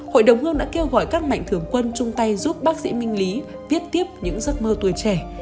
hội đồng hương đã kêu gọi các mạnh thường quân chung tay giúp bác sĩ minh lý viết tiếp những giấc mơ tuổi trẻ